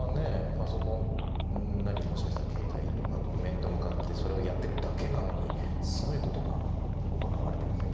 パソコンなりもしかしたら携帯とかと面と向かってそれをやってるだけなのにすごいことが行われてるんですね